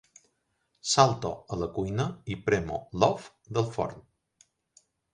Salto a la cuina i premo l'off del forn.